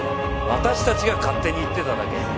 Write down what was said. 私たちが勝手に言ってただけ。